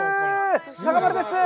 中丸です。